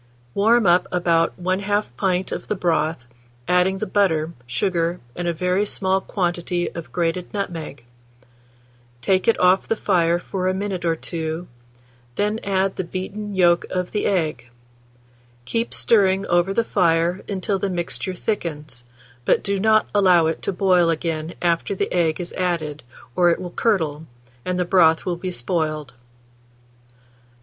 Warm up about 1/2 pint of the broth, adding the butter, sugar, and a very small quantity of grated nutmeg; take it off the fire for a minute or two, then add the beaten yolk of the egg; keep stirring over the fire until the mixture thickens, but do not allow it to boil again after the egg is added, or it will curdle, and the broth will be spoiled.